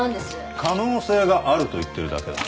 可能性があると言ってるだけだ。